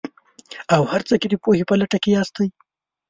او هر څه کې د پوهې په لټه کې ياستئ.